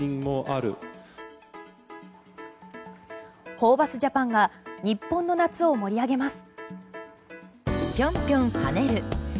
ホーバスジャパンが日本の夏を盛り上げます。